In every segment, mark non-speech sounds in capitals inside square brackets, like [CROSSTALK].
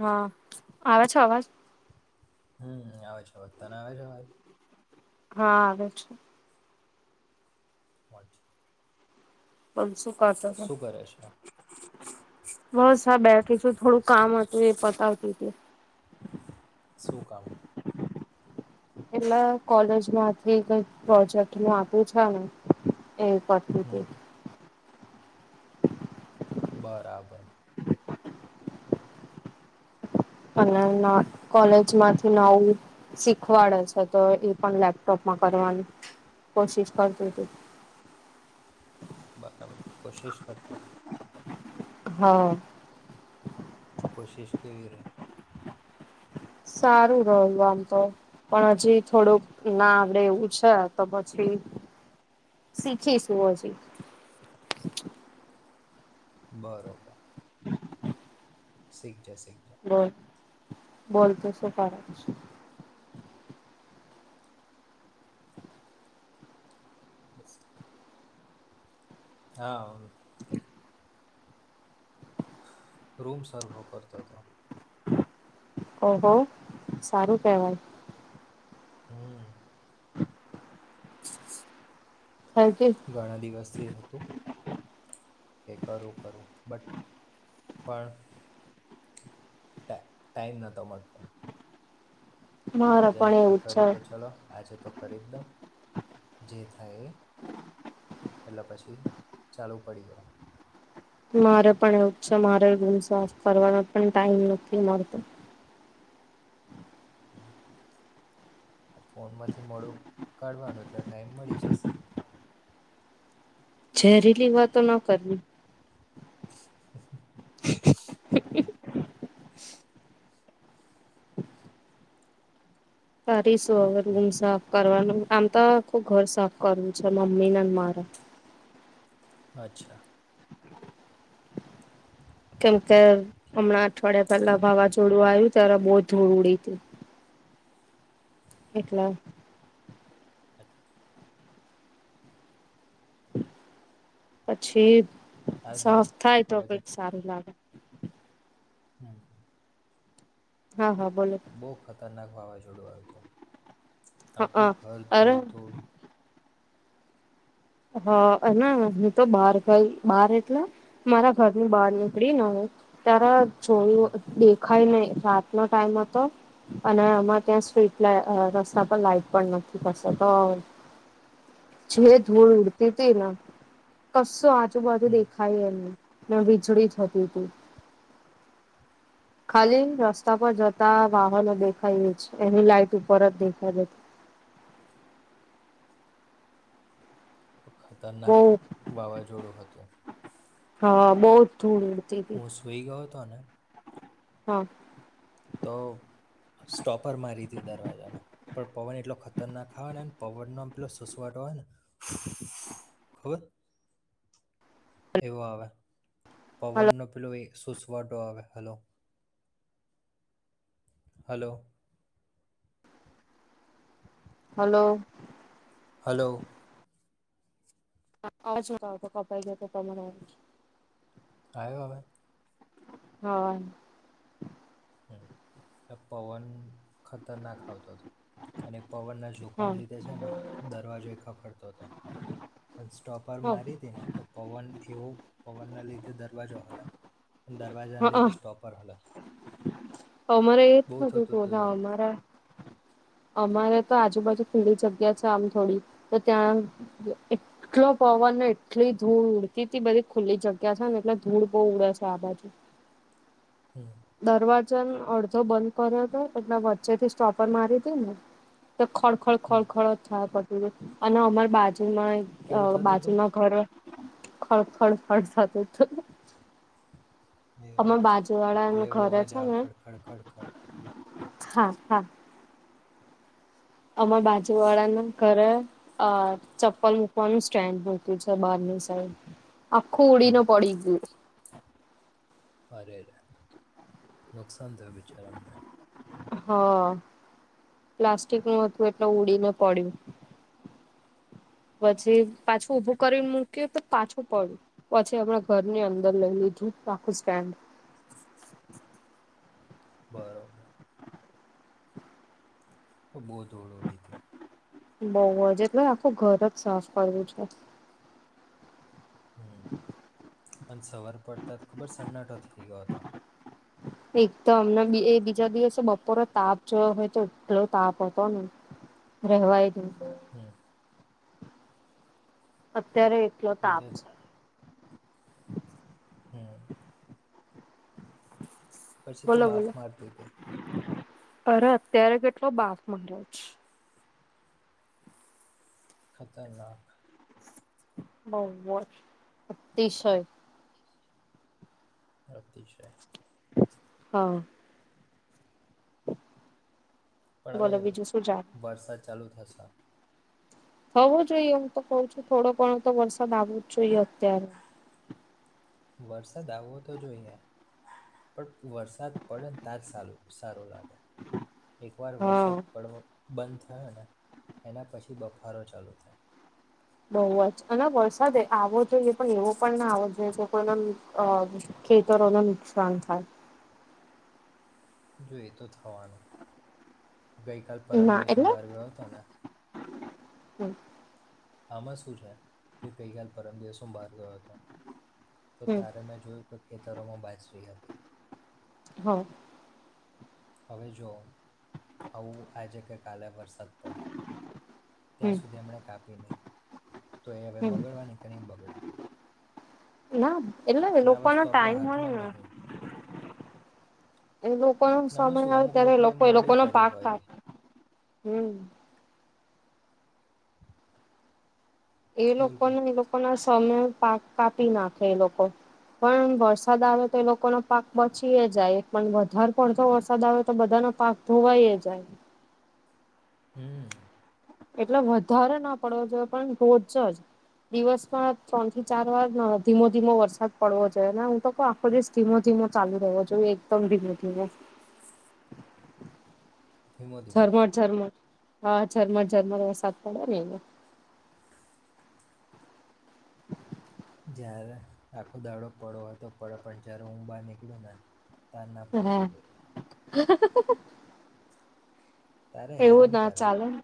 હા. આવે છે અવાજ? હમ્મ, આવે છે અવાજ. તને આવે છે અવાજ? હા આવે છે. [UNINTELLIGIBLE] પાંસો શું કરે છે? બસ અ બેઠી છું, થોડું કામ હતું એ પતાવતી તી. શું કામ? એટલે આ કોલેજમાંથી કંઈક પ્રોજેક્ટ નું આપ્યું છેને એ કરતી હમ તી. બરાબર. અને ન કોલેજમાંથી નવું શીખવાડે છે, તો એ પણ લેપટોપમાં કરવાની કોશિશ કરતી તી. બરાબર. કોશિશ કરતી તી. હા કોશિશ કેવી ર સારું રહ આમ તો પણ હજી થોડુંક ના આવડે એવું છે તો પછી શીખીશું હજી બરોબર શીખ જ શીખ જા બોલ બોલ તો શું ફાર છે. બસ. હા રૂમ સર્વો કરતા હતો. ઓહો સારું કહેવાય. હમ થકી ઘણા દિવસથી હતું. કે કરું કરું બટ પણ ટા ટાઈમ નાતો મોટલો એટલા મારે આજે પણ નક્કી એવું જ છે. કર્યું કે ચલો આજે તો કરી જ દઉં જે થાય એ એટલે પછી ચાલુ પડી ગ મારે પણ એવું છે મારે રૂમ સાફ કરવાનો પણ ટાઈમ નથી મળતો. ફોનમાંથી મોડું કાઢવાનું એટલે ટાઈમ મળી જશે. ઝેરીલી વાતો ના કરવી. હ હમ સર. ર રૂમ સાફ કરવાનું. આમ તો ખ ઘર સાફ કરવું છે મમ્મી ને મારે અચ્છા. કેમ કે હમણાં અઠવાડિયા પેલા વાવાઝોડું આવ્યું ત્યારે બહુ ધૂળ ઉડી તું એટલા પછી આ બા સફ થાય તો હવે કઈક સારું લાગે હમ હા હા બોલો ખતરનાક વાવાઝોડું આવ્યું હત હા અ આખું ઘર અરે ધોડધડ હા એ હું તો બાર બાર એટલે મારા ઘરની બહાર નીકળી ના હ તારા. ચો દેખ. હાઈ નહી રાતનોો ટાઈમ હતો અને આમાં ત્યાં સ્ટ્રીટ રસ્તા પર લાાઈટ પણ નથી થસે તો જો. ધૂલ ઉડતી હતી ના કસો આજ. ું બધું હમ દેખાય એમને. ને વીજળી થતી તું. ખાલી રસ્તા પર જતા વાહનો દેખાય છે એની લાઈટ ઉપર જ દેખાઈ જતી. બહુ ખતરનાક વાવાઝોડું હતું. બહ ધ. હું સુઈ ગત. તને. હમ. તો સ્ટોપર મારીધ દરવાજાને પણ પવન એટલો ખતરનાક આવે નેને પવનનો એટલો સુસવાટો હોય ને ખર એવો આવે. હલો પવન પીલો. સુસવાડો આવે હલો. હલો. હલો. હલો. હ આવજો ક તો કપાઈ ગ તો કરા આવ. કાય્યો હવે. હ. હ પવન ખતરનાક આવતો હતો અને. પવનના હા જોકાણ લીધે છે ને દરવાજો ખખડતો હતો અનસ્ટોપ. પર હા મારી દે ને તો પવન. એવો પવનના લીધે દરવાજો. દરવાજા લે હા તે સ્ટોપર હાલ. અમારે એ જ હતું થતું તો ના એવું અમારા. અમારે તો આજુબાજુ ખુલ્લી જગ્યા છે આમ થોડી તો ત્યાં એટલો પવન ને એટલી ધૂળ ઉડતી બધી ખુલ્લી જગ્યા છે ને એટલે ધૂળ બહ ઉડે છે આ બાજુ. હમ. દરવાજા અડધો બંધ કર્યો હતો એટલે વચ્ચેથી સ્ટોપર મારી હતી ને. તો ખડ ખડ હમ ખડ ખડ થાય પડ છે. અને અમર બાજ. કેવું થતું હતું બાજુમાં ઘર. ખળ ખળફટ જત તો. એ વાત છે એટલે એવું ઘરે અવાજ છે આ ને ખડ ખડ ખડ ખડ. હા હા. અમાર બાજુ વાળાના ઘરે અ ચપ્પલ મૂકવાનું સ્ટેન્ડ મળતું છે બારની સાઈડ. અખું ઉડી હમ ન પડીું. અ નુકસાન થાય વિચારાને. હા પ્લાસ્ટિક નું હતું એટલું ઉડીને પડ્યું. પછી પાછું ઉભું કરીને મૂક્યું તો પાછું પડ્યું પછી આપણા ઘરની અંદર લઈ લીધું આખું સ્ટેન્ડ. બરોબર. ઓ બહુ ઓળ ઓળડી થથી. બઉ એટલે આખું ઘર જ સાફ કરવું છે. હમ અને સવાર પડતા ખબર સન્નાટો થઇ ગયો હતો. એક તો અમને એ બીજા દિવસે બપોરે તાપ જોયો હોય તો એટલો તાપ હતો ને રહેવાય જ. હમ. અચ્છા. અત્યારે એટલો તાપ બીજા છે. હમ. પછી તો બોલો બાફ બોલો મારતી હતી. અરે અત્યારે કેટલો બાફ મારે્યો છે. ખતરનાક. બહ અતિશય. અતિશય. હા. [INAUDIBLE] બોલો બીજું શું જાણ. ચાલુત થશે. થવું જોઈએ હું તો કઉ છું થોડો ઘણો તો વરસાદ આવવો જ જોઈએ અત્યારે. વરસાદ આવવો તો જોઈએ પણ વરસાદ પડે ને તાર સારું સારું લાગે. એક વાર હા. વરસાદ પડવો બંધ. થ ને એના પછી બફારો ચાલુ થાય. બહુ જ અને વરસાદ આવો જોઈએ પણ એવો પણ ના આવવો જોઈએ તો એના ખેતરોને નુકસાન થાય. જોઈ તો થવાનું. ગઈકાલ પરમ ના દિવસ એટલે હઊબર ગયો હતો ને. હમ. આમાં શું છે કે ગઈકાલ પરમ દિવસોમાં બહાર ગયો હતો. તો હમ તારે મેં જોયું. ખેતરોમાં બાસરી હતી. હા. હવે જો આવું આજે કે કાલે વરસા. હમ ત્યાં સુધી એમણે કાપી નહી. તો એ હવે હમ બગડવાની કે નહી બગડ ના એ એટલે આ લોકોનો વસ્તુ આપણા ટાઈમ હોય હાથમાં ને નહી. એ લોકો ન સમય આવે અમુક ત્યારે લોકોએ લોકો એ લોકો મોડી ન કરી પાક હોય આપાપે હમ. એ બોલ લોકો બોલ ના એ લોકો ના. સમમે પાક કાપી નાખે એ લોકો પણ વરસાદ આવે તો એ લોકોનો પાક બચી જાય પણ વધારે પડતો વરસાદ આવે તો બધાનો પાક ધોવાઈ જાય. હમ. એટલે વધારે ના પડવો જોઈએ પણ રોજ જ દિવસમાં ત્રણ થી ચાર વાર ધીમો ધીમો વરસાદ પડવો જોઈએ અનેને હું તો આખો દિવસ ધીમો ધીમો ચાલુ રહેવો જોઈએ એકદમ ધીમે ધીમે ધીમો ધીમો ઝરમટ ઝરમટ હા ઝરમર ઝરમર વરસાદ પડે ને એ [INAUDIBLE] જય્યારે આખો દાડો પડો હતો પડો પણ જ્યારે હું બહાર નીકળું ને. ત ના પડવો જોઈએ. હ તારે એવું હેરાન ના કરે ચાલે ને.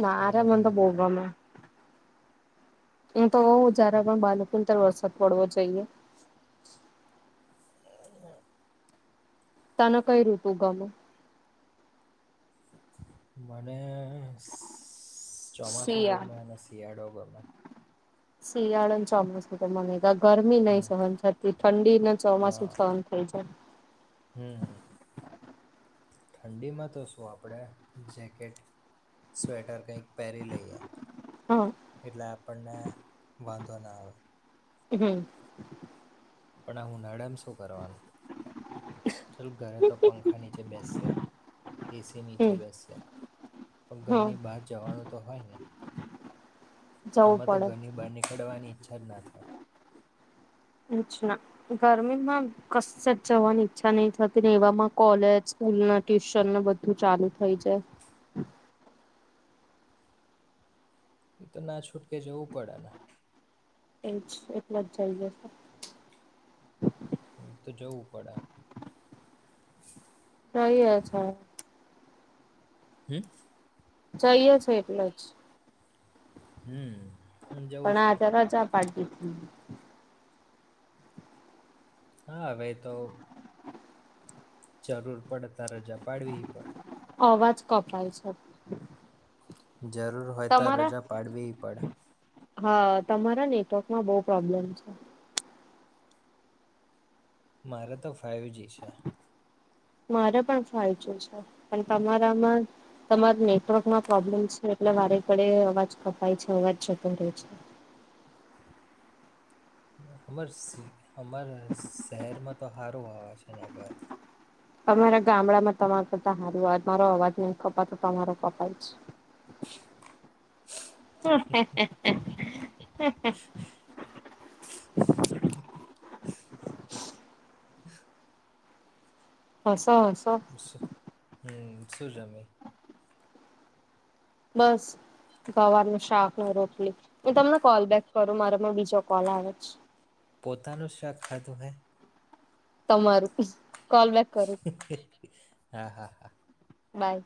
ના એ રે મન હેરાન તો બહું કરે ગમે. [UNINTELLIGIBLE] [UNINTELLIGIBLE] જારે પણ બાલકોને [UNINTELLIGIBLE] વરસાદ પડવો જઈએ. તને કંઈ ઋતુ ગમે? મને સ ચોમાસું શિયાળ. ગમે અને શિયાળો ગ [INAUDIBLE] શિયાળો ને ચોમાસું તો મનેય ને ગરમી નહીં હમ સહન થતી, ઠંડી ને ચોમાસું સહન થઈ જાય. હમ્મ. ઠંડીમાં તો શું આપણેે જેકેટ, સ્વેટર કંઈક પહેરી લઈએ હા એટલા આપણને વાંધો ના આવે. હમ્મ. પણ આ ઉનાળા મ શું કરવાનું? ચાલું ઘરે તો પંખા નીચે બેસશે, એ સી નીચે હમ બેસશે, પણ હા ઘરની બહાર જવાનું તો હોય ને. જવું આમાં તો પડે. ઘરની બહાર નીકળવાની ઈચ્છા કેદારનાથ. ના ગરમીમાં કશ જ જવાની ઈચ્છા નહ થતી ને એમાં કોલેજ સ્કૂલ ટ્યુશન બધું ચાલુ થઈ જાય. એ તો ના છૂટકે જવું પડેને. એજ એટલ જ જઈ જશે. તો જવું પડે સહી રે છે. હમ્મ. જઈએ છે એટલે જ. હમ્મ. પણ આ તરાજા પાડ દીધી. હા હવે તો જરૂર પડે તો રજા પાડવી પડે. અવાજ કપાય છે. જરૂર હોય તો તમારા રજા પાડવીય પડે. હા, તમારા નેટવર્કમાં બહુ પ્રોબ્લેમ છે. મારે તો ફાઈવ જ છે. મારે પણ ફાયજી છે પણ તમારામાં તમાર નેટવર્કમાં પ્રોબ્લેમ છે એટલે વારે ઘડે અવાજ કપાય છે, અવાજ જતો રહે છે. અમાર સી અમાર શહેરમાં તો હારું આવે છે નેટવર્ક. અમારા ગામડામાં તમારતા સાર મારો અવાજ નહી કપાતો તમારો કપાઈ છ. હસો. હસો [INAUDIBLE] સુ જમી બસ ગવાર ન શાક ન રોટલી મેું તમને કોલ બેેક કરું મારામાં બીજો કોલ આવે જ પોતાનું શાક ખાધું હ તમાર ક બક [INAUDIBLE] હા હા હા બાય